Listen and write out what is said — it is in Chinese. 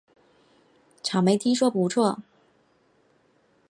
草莓听说不错